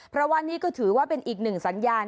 เพราะว่านี่ก็ถือว่าเป็นอีกหนึ่งสัญญาณ